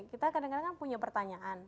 kita kadang kadang kan punya pertanyaan